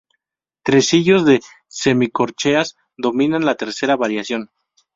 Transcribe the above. Tresillos de semicorcheas dominan la tercera variación.